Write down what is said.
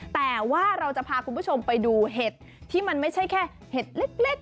แต่ว่าเราจะพาคุณผู้ชมไปดูเห็ดที่มันไม่ใช่แค่เห็ดเล็ก